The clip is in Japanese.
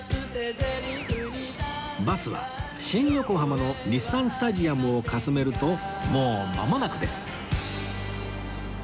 バスは新横浜の日産スタジアムをかすめるともうまもなくです